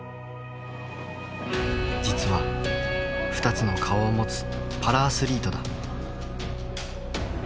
実は２つの顔を持つパラアスリートだ。